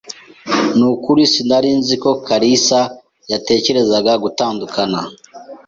Nukuri sinari nzi ko kalisa yatekerezaga gutandukana.